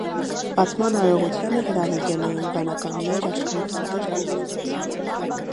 Բացման արարողությանը հրավիրվել էին վանականներ աշխարհի տարբեր կողմերից։